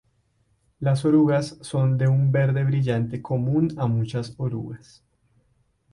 Las orugas son de un verde brillante común a muchas orugas.